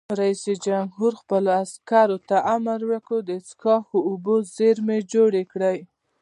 رئیس جمهور خپلو عسکرو ته امر وکړ؛ د څښاک اوبو زیرمې جوړې کړئ!